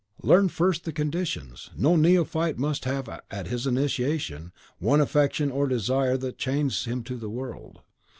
"Learn, first, the conditions. No neophyte must have, at his initiation, one affection or desire that chains him to the world.